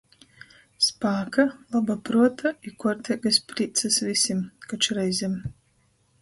Spāka, loba pruota i kuorteigys prīcys vysim, koč reizem!!!